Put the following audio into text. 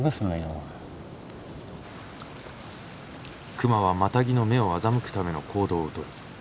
熊はマタギの目を欺くための行動をとる。